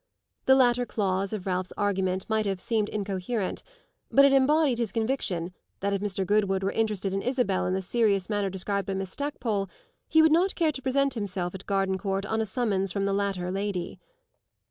The latter clause of Ralph's argument might have seemed incoherent; but it embodied his conviction that if Mr. Goodwood were interested in Isabel in the serious manner described by Miss Stackpole he would not care to present himself at Gardencourt on a summons from the latter lady.